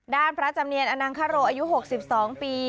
พระจำเนียนอนังคโรอายุ๖๒ปี